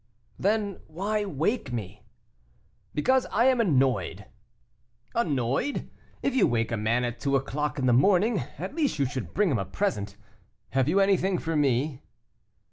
"Then why wake me?" "Because I am annoyed." "Annoyed! if you wake a man at two o'clock in the morning, at least you should bring him a present. Have you anything for me?"